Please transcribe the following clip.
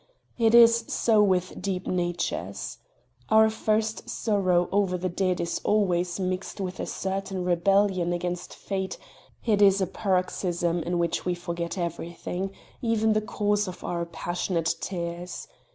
It is so with deep natures. Our first sorrow over the dead is always mixed with a certain rebellion against fate it is a paroxysm in which we forget everything even the cause of our passionate tears.